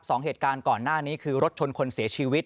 สองเหตุการณ์ก่อนหน้านี้คือรถชนคนเสียชีวิต